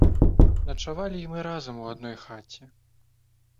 Начавалі і мы разам у адной хаце.